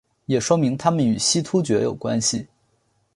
也说明他们与西突厥有关系。